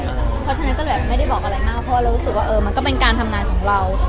เพราะฉะนั้นก็เลยไม่ได้บอกอะไรมากเพราะว่าเรารู้สึกว่ามันก็เป็นการทำงานของเรา